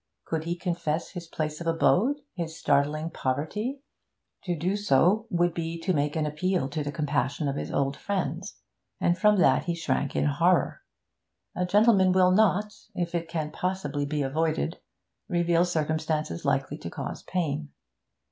Could he confess his place of abode, his startling poverty? To do so would be to make an appeal to the compassion of his old friends, and from that he shrank in horror. A gentleman will not, if it can possibly be avoided, reveal circumstances likely to cause pain.